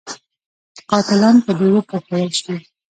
قاتلان په دې وپوهول شي.